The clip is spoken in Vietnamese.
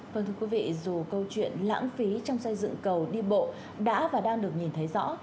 vâng thưa quý vị dù câu chuyện lãng phí trong xây dựng cầu đi bộ đã và đang được nhìn thấy rõ